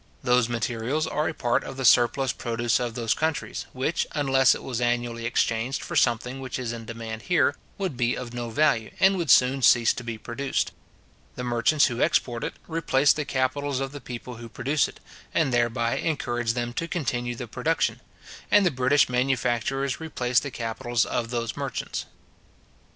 Those materials are a part of the surplus produce of those countries, which, unless it was annually exchanged for something which is in demand here, would be of no value, and would soon cease to be produced. The merchants who export it, replace the capitals of the people who produce it, and thereby encourage them to continue the production; and the British manufacturers replace the capitals of those merchants.